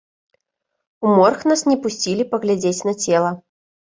У морг нас не пусцілі паглядзець на цела.